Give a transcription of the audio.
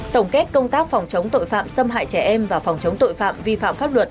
tổng kết công tác phòng chống tội phạm xâm hại trẻ em và phòng chống tội phạm vi phạm pháp luật